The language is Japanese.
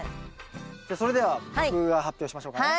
じゃそれでは僕が発表しましょうかね。